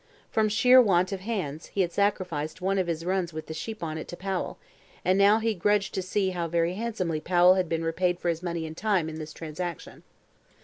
From sheer want of hands, he had sacrificed one of his runs with the sheep on it to Powell, and now he grudged to see how very handsomely Powell had been repaid for his money and time in this transaction.